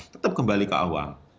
tetap kembali ke awal